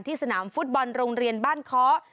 ที่สนามฟุตบอลโรงเรียบ้านเค้า